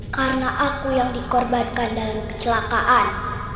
karena aku yang dikorbankan dalam kecelakaan